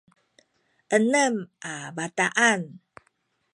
enem a bataan